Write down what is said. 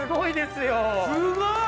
すごい！